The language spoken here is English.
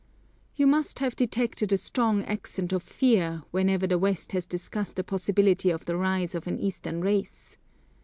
You must have detected a strong accent of fear, whenever the West has discussed the possibility of the rise of an Eastern race.